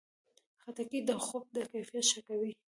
خټکی د خوب کیفیت ښه کوي.